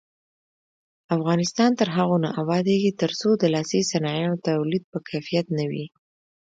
افغانستان تر هغو نه ابادیږي، ترڅو د لاسي صنایعو تولید په کیفیت نه وي.